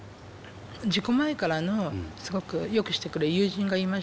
事故前からのすごくよくしてくれる友人がいまして。